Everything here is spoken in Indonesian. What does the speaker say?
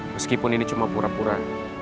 meskipun ini cuma pura pura